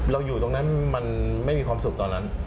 อยู่ตรงนั้นมันไม่มีความสุขตอนนั้น